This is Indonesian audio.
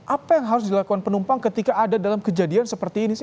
apa yang harus dilakukan penumpang ketika ada dalam kejadian seperti ini sih